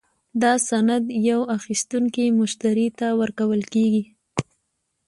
دا سند یو اخیستونکي مشتري ته ورکول کیږي.